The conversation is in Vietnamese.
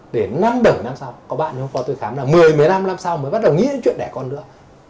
để năm bởi năm sau có bạn không có tôi khám là mười mấy năm sau mới bắt đầu nghĩ đến chuyện đẻ con nữa